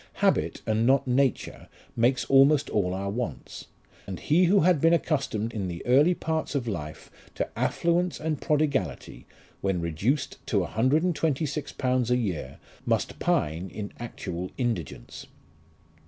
Habit, and not nature, makes almost all our wants ; and he who had been accustomed in the early parts of life to affluence and prodigality, when reduced to a hundred and twenty six pounds a year must pine in actual indigence.